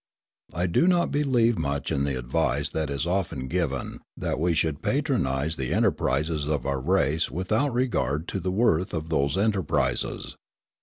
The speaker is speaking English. I do not believe much in the advice that is often given that we should patronise the enterprises of our race without regard to the worth of those enterprises.